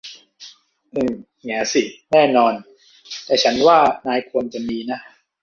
อืม แหงสิ แน่นอน แต่ฉันว่านายควรจะมีนะ